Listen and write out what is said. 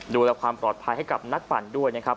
ดูแลความปลอดภัยให้กับนักปั่นด้วยนะครับ